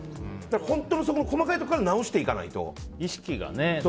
本当の、そこの細かいところから直していかないと。意識がね。